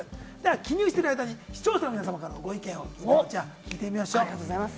記入している間に視聴者の皆さまからのご意見を聞いてみましょう。